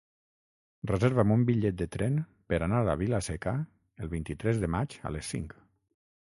Reserva'm un bitllet de tren per anar a Vila-seca el vint-i-tres de maig a les cinc.